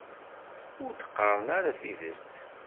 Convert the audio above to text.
Ur d-qqaren ara tidet.